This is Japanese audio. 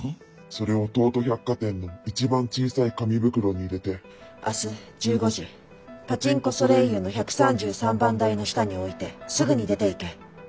それを東都百貨店の一番小さい紙袋に入れて明日１５時パチンコソレイユの１３３番台の下に置いてすぐに出ていけ。